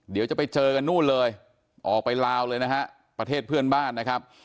เดี๋ยวจะไปเจอกันนู่นเลยออกไปลาวเลยนะฮะประเทศเพื่อนบ้านนะครับ